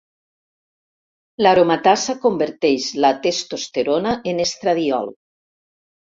L'aromatasa converteix la testosterona en estradiol.